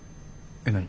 えっ何？